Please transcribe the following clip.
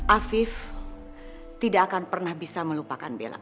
afif tidak akan pernah bisa melupakan bela